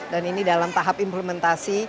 dan ini dalam tahap implementasi